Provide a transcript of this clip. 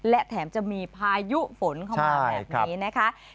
และแถมจะมีพายุฝนเข้ามาแบบนี้นะคะ